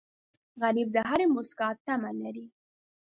غریب د هرې موسکا تمه لري